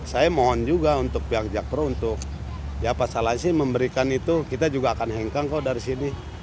saya mohon juga untuk pihak jakpro untuk ya pasal lain sih memberikan itu kita juga akan hengkang kok dari sini